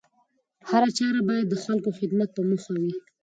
هره چاره بايد د خلکو د خدمت په موخه وي